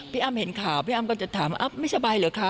อ้ำเห็นข่าวพี่อ้ำก็จะถามว่าไม่สบายเหรอคะ